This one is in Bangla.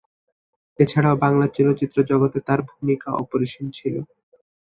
এছাড়াও, বাংলা চলচ্চিত্র জগতে তার ভূমিকা অপরিসীম ছিল।